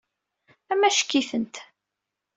Amack-itent.